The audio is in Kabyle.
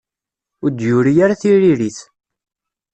Ur d-yuri ara tiririt.